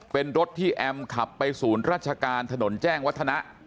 เป็นรถที่แอมขับไปศูนย์ราชการถนนแจ้งวัฒนะ